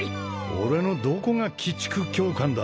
俺のどこが鬼畜教官だ